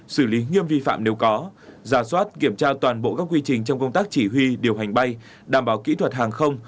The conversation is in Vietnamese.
xử lý nghiêm vi phạm nếu có giả soát kiểm tra toàn bộ các quy trình trong công tác chỉ huy điều hành bay đảm bảo kỹ thuật hàng không